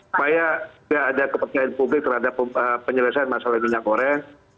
supaya tidak ada kepercayaan publik terhadap penyelesaian masalah minyak goreng